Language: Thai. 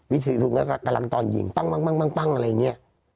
วิถีกระสุนก็กำลังต้อนยิงปั้งอะไรอย่างนี้